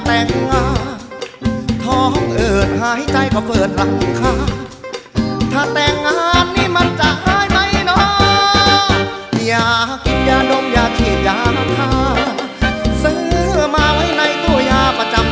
เพลงที่๔ของเขาดูสิว่าเขาจะทำสำเร็จหรือว่าร้องผิดครับ